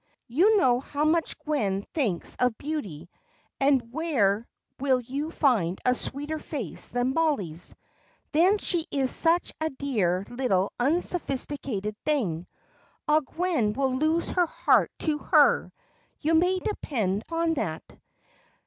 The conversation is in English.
You know how much Gwen thinks of beauty, and where will you find a sweeter face than Mollie's? Then she is such a dear little unsophisticated thing. Ah, Gwen will lose her heart to her, you may depend on that.